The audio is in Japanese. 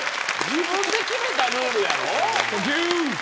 自分で決めたルールやろ。